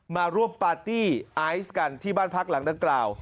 มาร่วมปาร์ตี้ไอซ์กันที่บ้านพักหลังดังกล่าว